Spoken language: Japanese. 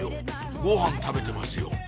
ごはん食べてますよ